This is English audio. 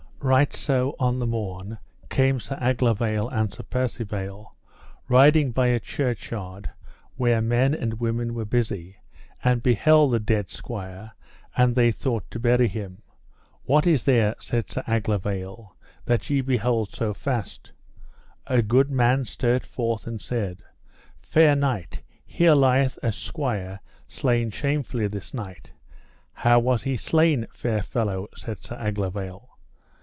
Right so on the morn came Sir Aglovale and Sir Percivale riding by a churchyard, where men and women were busy, and beheld the dead squire, and they thought to bury him. What is there, said Sir Aglovale, that ye behold so fast? A good man stert forth and said: Fair knight, here lieth a squire slain shamefully this night. How was he slain, fair fellow? said Sir Aglovale.